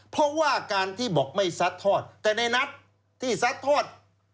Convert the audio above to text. เพราะว่าการที่บอกไม่ซัดทอดแต่ในนัดที่ซัดทอด